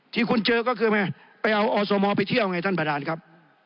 ที่คุณเจอก็คือไปเอาอสมไปเที่ยวไงท่านประธานครับ